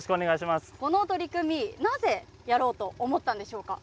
この取り組み、なぜ、やろうと思ったんでしょうか。